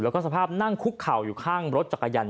และสภาพนั่งคุกเข่ามนาฬิกสาม